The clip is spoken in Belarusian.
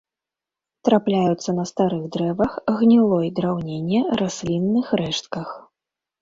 Трапляюцца на старых дрэвах, гнілой драўніне, раслінных рэштках.